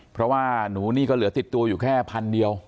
เพราะว่าหนูนี่ก็เหลือติดตัวอยู่แค่พันเดียว